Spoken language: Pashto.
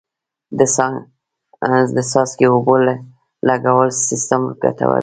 د څاڅکي اوبو لګولو سیستم ګټور دی.